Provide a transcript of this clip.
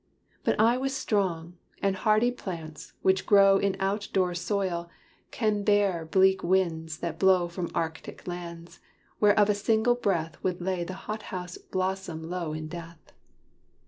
But I was strong: and hardy plants, which grow In out door soil, can bear bleak winds that blow From Arctic lands, whereof a single breath Would lay the hot house blossom low in death.